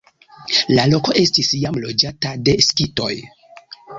La loko estis jam loĝata de skitoj.